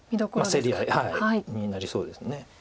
競り合いになりそうです。